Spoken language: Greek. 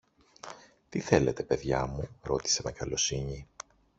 Τι θέλετε, παιδιά μου; ρώτησε με καλοσύνη.